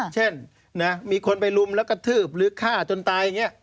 เช่นมีคนไปลุมแล้วกระทืบหรือฆ่าจนตายอย่างนี้